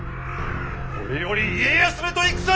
これより家康めと戦じゃ！